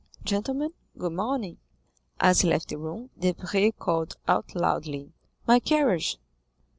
Gentlemen, good morning." As he left the room, Debray called out loudly, "My carriage."